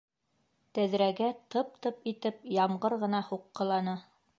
Тәҙрәгә тып-тып итеп ямғыр ғына һуҡҡыланы.